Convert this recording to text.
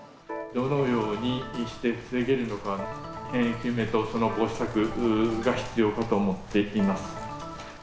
どのようにして防げるのか、原因究明とその防止策が必要かと思っています。